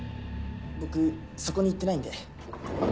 僕そこに行ってないんで。